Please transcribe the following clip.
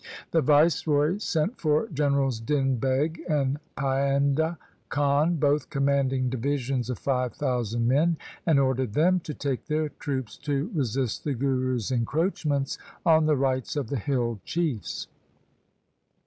The viceroy sent for Generals Din Beg and Painda Khan, 1 both commanding divisions of five thousand men, and ordered them to take their troops to resist the Guru's encroachments on the rights of the hill chiefs.